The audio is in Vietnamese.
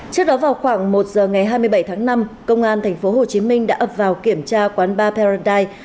trước đó vào khoảng một giờ ngày hai mươi bảy tháng năm công an tp hcm đã ập vào kiểm tra quán ba peruty